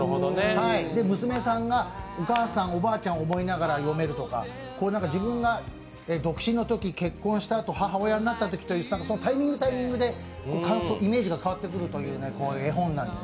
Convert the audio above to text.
娘さんがお母さん、おばあちゃんを思いながら読めるとか自分が独身のとき、結婚したあと母親になったとき、そのタイミング、タイミングでイメージが変わってくる絵本です。